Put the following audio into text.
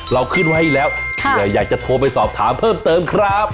เราขึ้นไว้ให้แล้วเผื่ออยากจะโทรไปสอบถามเพิ่มเติมครับ